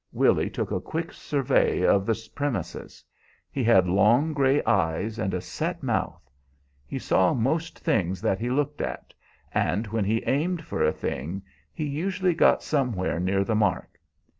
Willy took a quick survey of the premises. He had long gray eyes and a set mouth. He saw most things that he looked at, and when he aimed for a thing he usually got somewhere near the mark.